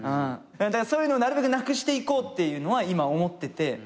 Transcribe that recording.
だからそういうのをなるべくなくしていこうっていうのは今思ってて。